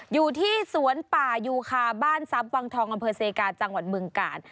อยู่ที่สวนป่ายูคาบ้านทรัพย์วังทองอำเภอเซกาจังหวัดเมืองกาล